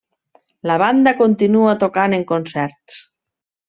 La banda continua tocant en concerts.